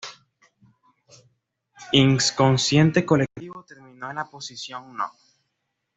Inconsciente Colectivo terminó en la posición no.